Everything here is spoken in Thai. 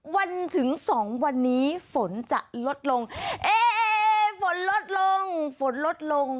วันถึงสองวันนี้ฝนจะลดลงเอ๊ฝนลดลงฝนลดลง